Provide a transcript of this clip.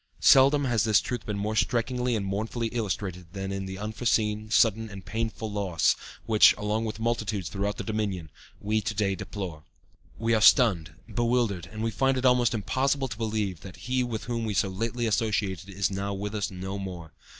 Seldom has this truth been more strikingly and mournfully illustrated than in the unforeseen, sudden and painful loss which, along with multitudes throughout the Dominion, we to day deplore. "We are stunned, bewildered, and we find it almost impossible to realize that he with whom we so lately associated is now with us no more.